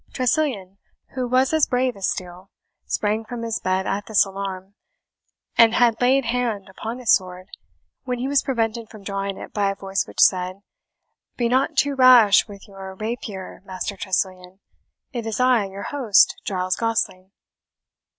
Tressilian, who was as brave as steel, sprang from his bed at this alarm, and had laid hand upon his sword, when he was prevented from drawing it by a voice which said, "Be not too rash with your rapier, Master Tressilian. It is I, your host, Giles Gosling."